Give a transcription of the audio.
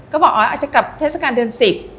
ก็บอกอ๋ออาจจะกลับเทศกาลเดือน๑๐